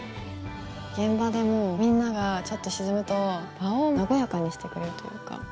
現場でもみんながちょっと沈むと場を和やかにしてくれるというか。